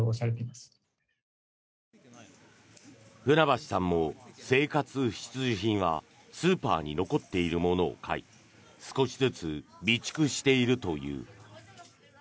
船橋さんも生活必需品はスーパーに残っているものを買い少しずつ備蓄しているという。